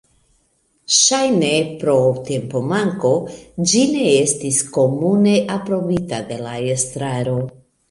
Ŝajne pro tempomanko, ĝi ne estis komune aprobita de la estraro.